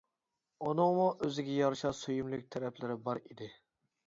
ئۇنىڭمۇ ئۆزىگە يارىشا سۆيۈملۈك تەرەپلىرى بار ئىدى.